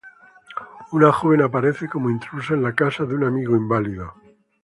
Una joven aparece como intrusa en la casa de un amigo inválido.